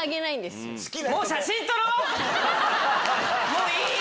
もういい！